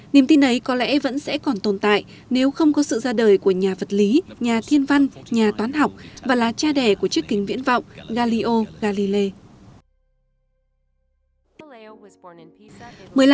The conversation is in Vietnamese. niềm tin ấy có lẽ vẫn sẽ còn tồn tại nếu không có sự ra đời của nhà vật lý nhà thiên văn nhà toán học và là cha đẻ của chiếc kính viễn vọng galio galilei